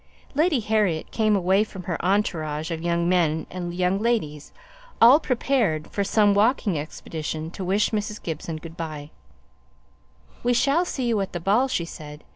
Lady Harriet came away from her entourage of young men and young ladies, all prepared for some walking expedition, to wish Mrs. Gibson good by. "We shall see you at the ball," she said.